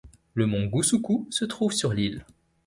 Le mont Gusuku se trouve sur l'île.